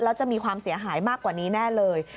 แล้วจะมีความเสียหายมากกว่านี้แน่เลย